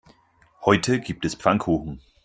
Heute gibt es Pfannkuchen.